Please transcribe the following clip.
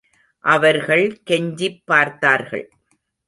அவர்கள் கெஞ்சிப் பார்த்தார்கள்.